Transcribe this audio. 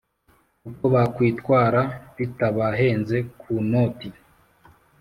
uko bakwitwara bitabahenze ku noti